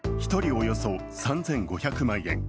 およそ３５００万円。